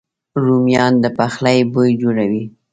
رومیان د پخلي بوی جوړوي